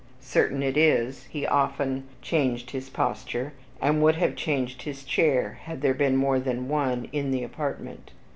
Certain it is, he often changed his posture, and would have changed his chair, had there been more than one in the apartment.